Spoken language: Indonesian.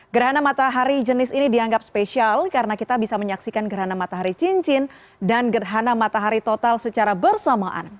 gerhana matahari jenis ini dianggap spesial karena kita bisa menyaksikan gerhana matahari cincin dan gerhana matahari total secara bersamaan